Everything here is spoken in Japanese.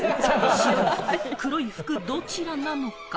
白い服、黒い服、どちらなのか？